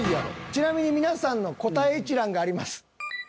ちなみに皆さんの答え一覧があります。